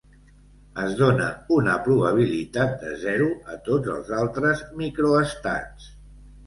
Es dona una probabilitat de zero a tots els altres microestats.